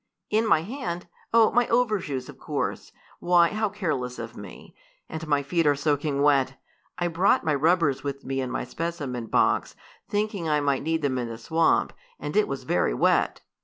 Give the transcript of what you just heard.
"In my hand? Oh, my overshoes, of course. Why, how careless of me! And my feet are soaking wet! I brought my rubbers with me in my specimen box, thinking I might need them in the swamp. And it was very wet!